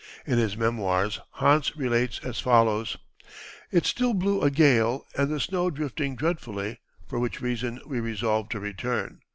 In his "Memoirs" Hans relates as follows: "It still blew a gale and the snow drifting dreadfully, for which reason we resolved to return....